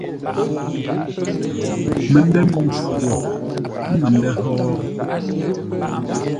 Məndə̂ mi mpfu wo məndə̂ hó?